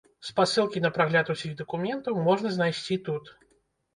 Спасылкі на прагляд усіх дакументаў можна знайсці тут.